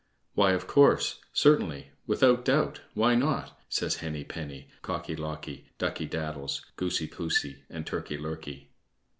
"Why, of course, certainly, without doubt, why not?" says Henny penny, Cocky locky, Ducky daddles, Goosey poosey, and Turkey lurkey.